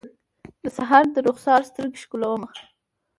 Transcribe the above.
د سحر درخسار سترګې ښکلومه